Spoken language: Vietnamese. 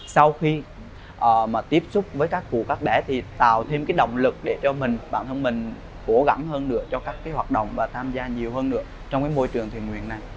sau khi mà tiếp xúc với các cụ các đẻ thì tạo thêm cái động lực để cho mình bản thân mình cố gắng hơn nữa cho các hoạt động và tham gia nhiều hơn nữa trong cái môi trường thiền nguyện này